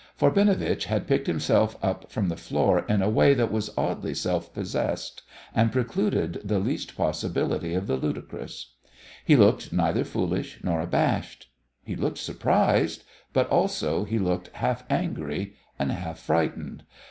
For Binovitch had picked himself up from the floor in a way that was oddly self possessed, and precluded the least possibility of the ludicrous. He looked neither foolish nor abashed. He looked surprised, but also he looked half angry and half frightened.